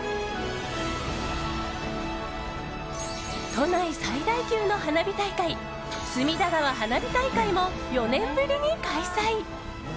都内最大級の花火大会隅田川花火大会も４年ぶりに開催。